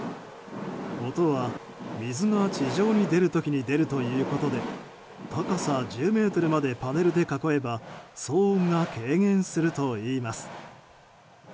音は、水が地上に出る時に出るということで高さ１０ｍまでパネルで囲えば騒音が軽減するといいます。